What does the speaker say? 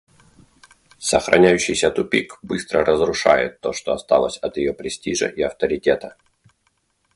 Сохраняющийся тупик быстро разрушает то, что осталось от ее престижа и авторитета.